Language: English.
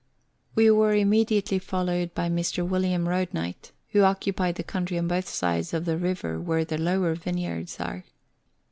We were immediately followed by Mr. Wm. Eoadknight, who occupied the country on both sides of the river where the lower vineyards are.